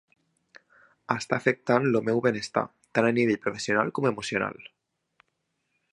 Està afectant el meu benestar, tant a nivell professional com emocional.